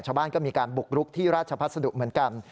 ชาวบ้านก็มีการบุกรุกที่ราชพัสดุเหมือนกัน